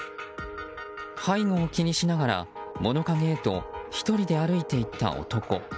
背後を気にしながら物陰へと１人で歩いていった男。